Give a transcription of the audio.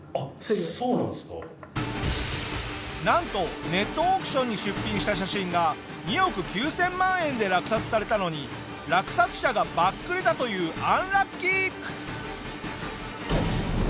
なんとネットオークションに出品した写真が２億９０００万円で落札されたのに落札者がバックれたというアンラッキー！